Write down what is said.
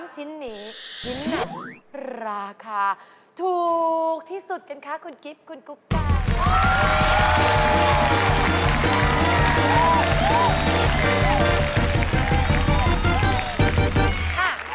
๓ชิ้นนี้ชิ้นนั้นราคาถูกที่สุดกันค่ะคุณกิ๊บคุณกุ๊กกา